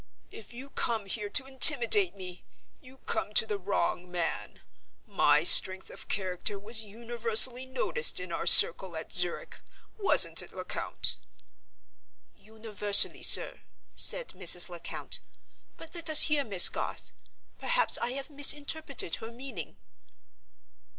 If you come her to intimidate me, you come to the wrong man. My strength of character was universally noticed in our circle at Zurich—wasn't it, Lecount?" "Universally, sir," said Mrs. Lecount. "But let us hear Miss Garth. Perhaps I have misinterpreted her meaning."